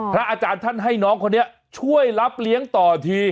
อาจารย์ท่านให้น้องคนนี้ช่วยรับเลี้ยงต่อที